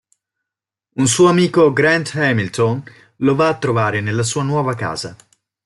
Un suo amico, Grant Hamilton, lo va a trovare nella sua nuova casa.